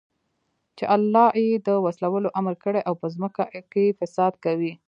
چې الله ئې د وصلَولو امر كړى او په زمكه كي فساد كوي